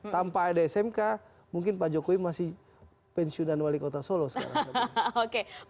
tanpa ada smk mungkin pak jokowi masih pensiunan wali kota solo sekarang